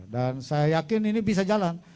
dan saya yakin ini bisa jalan